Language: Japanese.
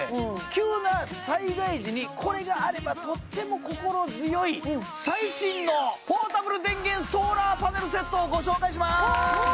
急な災害時にこれがあればとっても心強い最新のポータブル電源ソーラーパネルセットをご紹介します